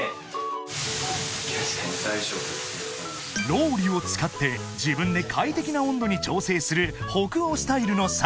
［ロウリュを使って自分で快適な温度に調整する北欧スタイルのサウナ］